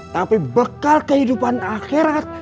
tapi bekal kehidupan akhirat